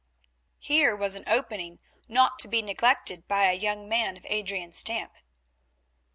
Here was an opening not to be neglected by a young man of Adrian's stamp.